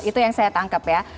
itu yang saya tangkap ya